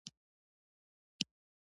لاسونه د زړه لاره ښيي